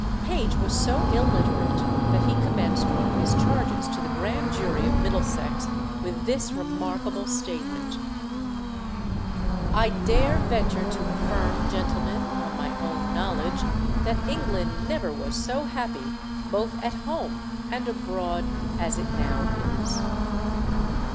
Page was so illiterate that he commenced one of his charges to the grand jury of Middlesex with this remarkable statement: "I dare venture to affirm, gentlemen, on my own knowledge, that England never was so happy, both at home and abroad, as it now is."